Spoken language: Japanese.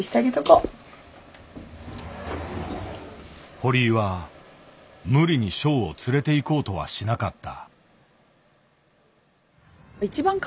堀井は無理にショウを連れていこうとはしなかった。